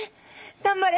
頑張れ！